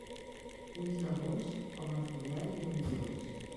Ulls de gos, home fidel i amorós.